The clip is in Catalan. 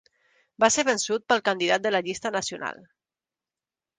Va ser vençut pel candidat de la Llista Nacional.